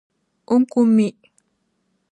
N kuli mi.